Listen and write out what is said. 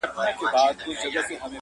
د شاه شجاع د قتلېدلو وطن.!